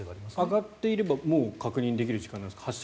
上がっていればもう確認できる時間なんですか。